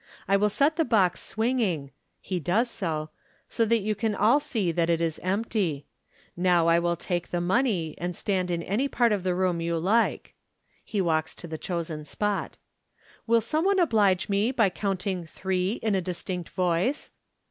I will set the box swinging" (he does so), "so that you can all see that it is empty. Now I will take the money, and stand in any part of the room you like." (He walks to the chosen spot.) " Will some one oblige me by counting three in a distinct voice."